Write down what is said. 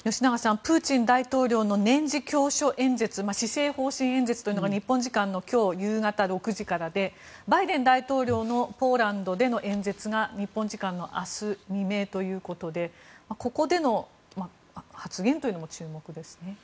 プーチン大統領の年次教書演説施政方針演説というのが日本時間の今日夕方６時からでバイデン大統領のポーランドでの演説が日本時間の明日未明ということでここでの発言というのも注目ですね。